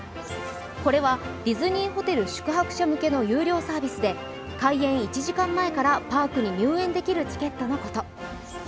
これはディズニーホテル宿泊者向けの有料サービスで開園１時間前からパークに入園できるチケットのこと。